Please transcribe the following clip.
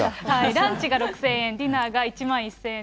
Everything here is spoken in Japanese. ランチが６０００円、ディナーが１万１０００円。